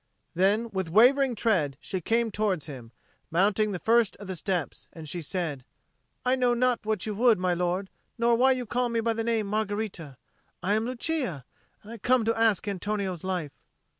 Then, with wavering tread, she came towards him, mounting the first of the steps, and she said, "I know not what you would, my lord, nor why you call me by the name of Margherita. I am Lucia, and I come to ask Antonio's life."